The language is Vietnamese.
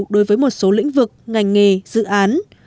đối với một số lĩnh vực ngành nghề dự án